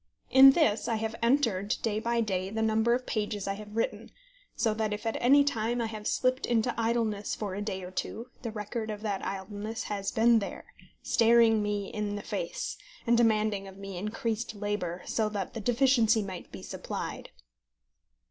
In this I have entered, day by day, the number of pages I have written, so that if at any time I have slipped into idleness for a day or two, the record of that idleness has been there, staring me in the face, and demanding of me increased labour, so that the deficiency might be supplied.